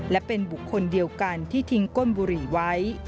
และเป็นบุคคลเดียวกันที่ทิ้งก้นบุหรี่ไว้